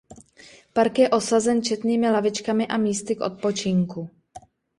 Park je osazen četnými lavičkami a místy k odpočinku.